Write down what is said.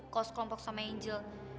kalau sekelompok sama angel